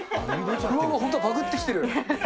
本当だ、バグってきてる。